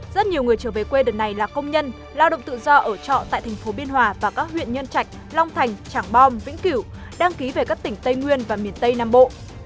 rất nhiều người trở về quê đợt này là công nhân lao động tự do ở trọ tại thành phố biên hòa và các huyện nhân trạch long thành tràng bom vĩnh kiểu đăng ký về các tỉnh tây nguyên và miền tây nam bộ